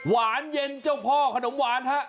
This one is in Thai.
หวานเย็นเจ้าพ่อขนมหวานฮะ